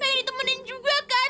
pengen ditemenin juga kan